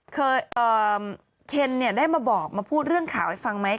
เคนเนี่ยได้มาบอกมาพูดเรื่องข่าวให้ฟังไหม